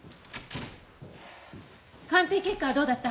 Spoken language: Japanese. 鑑定結果はどうだった？